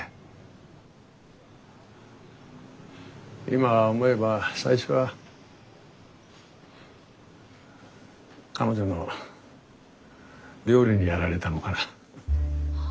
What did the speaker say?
今思えば最初は彼女の料理にやられたのかな。